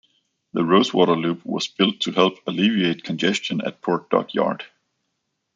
The Rosewater Loop was built to help alleviate congestion at Port Dock yard.